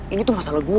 ini tuh masalah gue